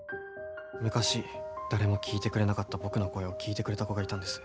昔誰も聞いてくれなかった僕の声を聞いてくれた子がいたんです。